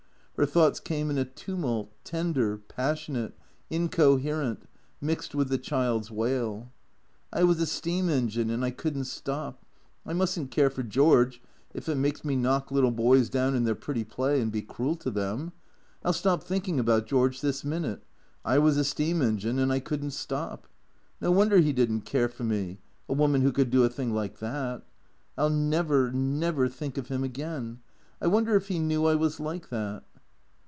Her thoughts came in a tumult, tender, passionate, inco herent, mixed with the child's wail. " I was a steam engine and I could n't stop. I must n't care for George if it makes me knock little boys down in their pretty play and be cruel to them. I '11 stop thinking about George this minute — I was a steam engine and I could n't stop. No wonder he did n't care for me, a woman who could do a thing like that. I '11 never, never think of him again — I wonder if he knew I was like that."